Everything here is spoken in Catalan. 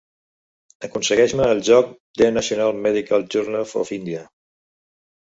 Aconsegueix-me el joc The National Medical Journal of India.